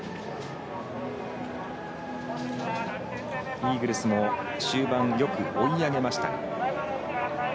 イーグルスも終盤よく追い上げました。